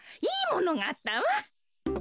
いいものがあったわ。